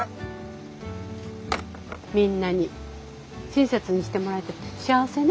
みんなに親切にしてもらえて幸せね。